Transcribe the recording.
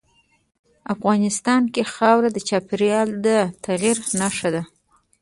افغانستان کې خاوره د چاپېریال د تغیر نښه ده.